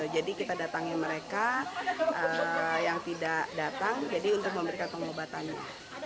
jadi kita datangi mereka yang tidak datang untuk memberikan pengobatannya